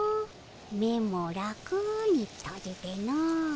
目も楽にとじての。